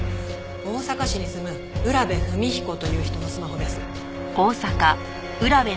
大阪市に住む占部文彦という人のスマホです。